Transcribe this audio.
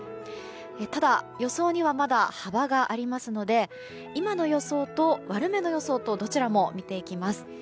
ただ、予想にはまだ幅がありますので今の予想と、悪めの予想とどちらも見ていきます。